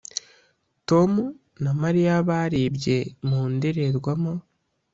tom na mariya barebye mu ndorerwamo.